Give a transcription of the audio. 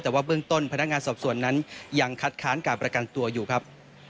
แต่ว่าเบื้องต้นพนักงานสอบสวนนั้นยังคัดค้านการประกันตัวอยู่ครับ